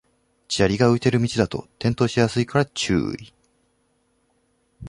砂利が浮いてる道だと転倒しやすいから注意